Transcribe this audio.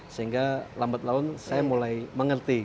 sehingga lambat laun saya mulai mengerti